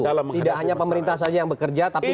tidak hanya pemerintah saja yang bekerja tapi seluruh pihak